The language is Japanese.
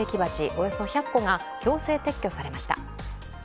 およそ１００個が強制撤去されました。